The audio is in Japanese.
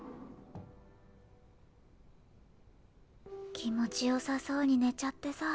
きもちよさそうにねちゃってさ。